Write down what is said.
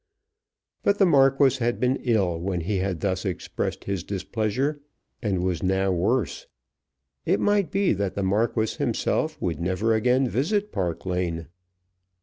But the Marquis had been ill when he had thus expressed his displeasure, and was now worse. It might be that the Marquis himself would never again visit Park Lane.